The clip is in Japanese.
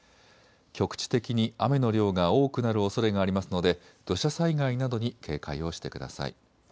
局地的に雨の量が多くなるおそれがありますので土砂災害などに警戒をしてください。